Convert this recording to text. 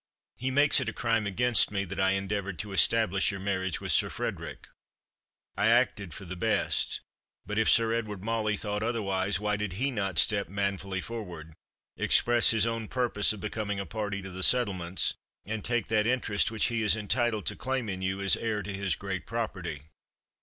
He makes it a crime against me that I endeavoured to establish your marriage with Sir Frederick. I acted for the best; but if Sir Edward Mauley thought otherwise, why did he not step manfully forward, express his own purpose of becoming a party to the settlements, and take that interest which he is entitled to claim in you as heir to his great property?